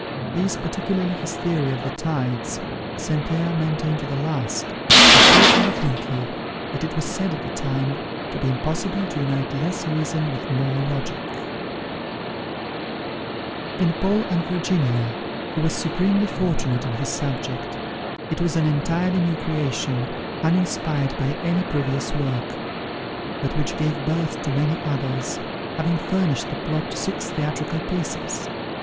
These, particularly his theory of the tides,(*) St. Pierre maintained to the last, and so eloquently, that it was said at the time, to be impossible to unite less reason with more logic. (*) Occasioned, according to St. Pierre, by the melting of the ice at the Poles. In "Paul and Virginia," he was supremely fortunate in his subject. It was an entirely new creation, uninspired by any previous work; but which gave birth to many others, having furnished the plot to six theatrical pieces.